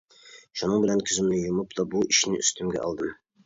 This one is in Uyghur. شۇنىڭ بىلەن كۆزۈمنى يۇمۇپلا بۇ ئىشنى ئۈستۈمگە ئالدىم.